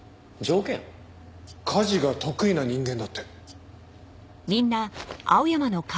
家事が得意な人間だって。